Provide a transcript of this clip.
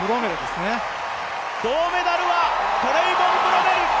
銅メダルはトレイボン・ブロメル！